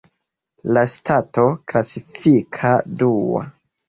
La stato klasifikita dua.